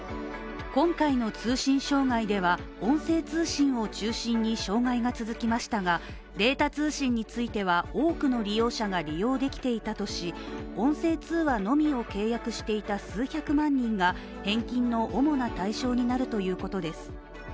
今回の通信障害では音声通信を中心に障害が続きましたがデータ通信については多くの利用者が利用できていたとし、音声通話のみを契約していた数百万人が返金の主な対象になるということです。